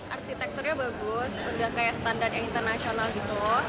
arsitekturnya bagus udah kayak standar internasional gitu